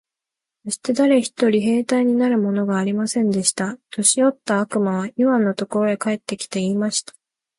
そして誰一人兵隊になるものがありませんでした。年よった悪魔はイワンのところへ帰って来て、言いました。